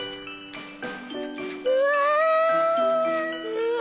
うわ！